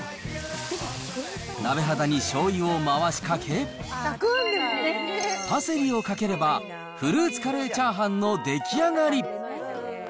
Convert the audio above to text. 鍋肌にしょうゆを回しかけ、パセリをかければ、フルーツカレーチャーハンの出来上がり。